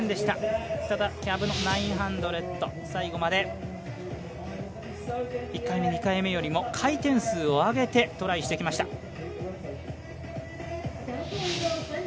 ただキャブの９００最後まで１回目、２回目よりも回転数を上げてトライしてきました。